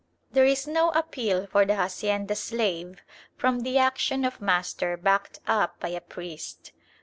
There is no appeal for the hacienda slave from the action of master backed up by a priest.